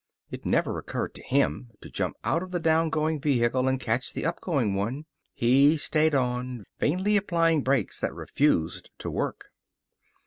It never occurred to him to jump out of the down going vehicle and catch the up going one. He stayed on, vainly applying brakes that refused to work.